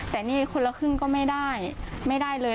แต่นี่คนละครึ่งก็ไม่ได้ไม่ได้เลย